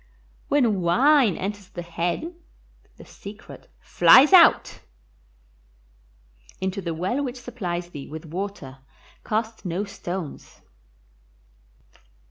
When wine enters the head the secret flies out. Into the well which supplies thee with water cast no stones.